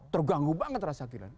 terganggu banget rasa keadilan